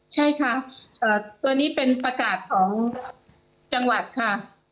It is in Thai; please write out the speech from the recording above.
ใช่ค่ะตัวนี้เป็นประกาศของจังหวัดค่ะ